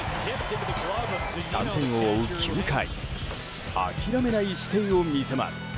３点を追う９回諦めない姿勢を見せます。